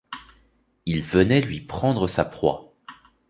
Il venait lui prendre sa proie.